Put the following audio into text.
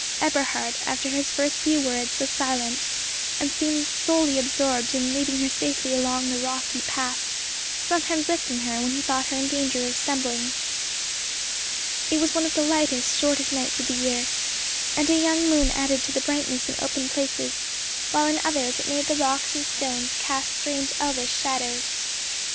Eberhard, after his first few words, was silent, and seemed solely absorbed in leading her safely along the rocky path, sometimes lifting her when he thought her in danger of stumbling. It was one of the lightest, shortest nights of the year, and a young moon added to the brightness in open places, while in others it made the rocks and stones cast strange elvish shadows.